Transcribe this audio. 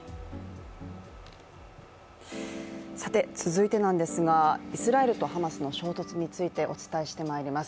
続いてなんですが、イスラエルとハマスの衝突についてお伝えしてまいります。